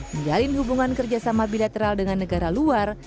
menjalin hubungan kerjasama bilateral dengan negara luar